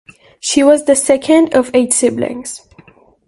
She was the second of eight siblings.